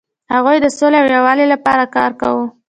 هغوی د سولې او یووالي لپاره کار کاوه.